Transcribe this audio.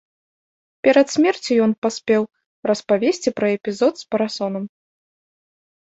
Перад смерцю ён паспеў распавесці пра эпізод з парасонам.